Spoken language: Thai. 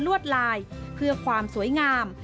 วดลายเพื่อความสวยงาม